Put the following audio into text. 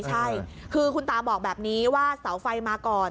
ใช่คือคุณตาบอกแบบนี้ว่าเสาไฟมาก่อน